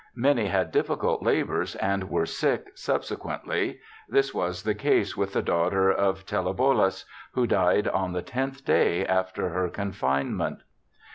... Many had difficult labors, and were sick subsequently ; this was the case with the daughter of Telebolus, who died on the tenth day after her confinement.